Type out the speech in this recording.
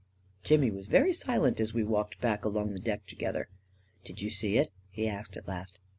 Jimmy was very silent as we walked back along the deck together. " Did you see it? " he asked at last.